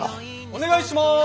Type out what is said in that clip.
お願いします！